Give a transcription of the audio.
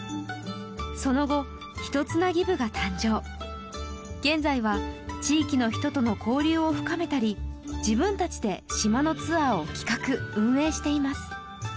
その後ヒトツナギ部が誕生現在は地域の人との交流を深めたり自分達で島のツアーを企画運営しています